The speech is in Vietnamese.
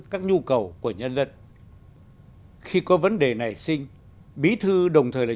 các nhu cầu của nhân dân khi có vấn đề nảy sinh bí thư đồng thời là